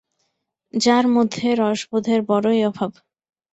যার মধ্যে রসবোধের বড়োই অভাব।